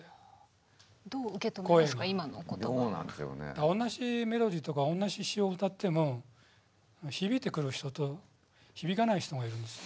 だから同じメロディーとか同じ詞を歌っても響いてくる人と響かない人がいるんです。